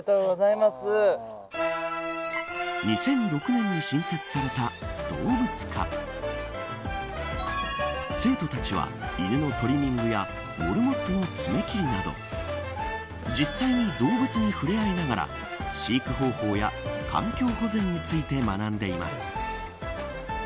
２００６年に新設された動物科生徒たちは、犬のトリミングやモルモットの爪切りなど実際に動物に触れ合いながら飼育方法や環境保全について学んでいます。